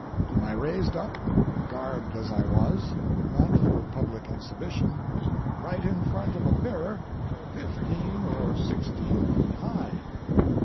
And I raised up, garbed as I was, not for public exhibition, right in front of a mirror fifteen or sixteen feet high.